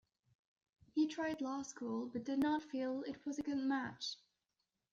He tried law school but did not feel it was a good match.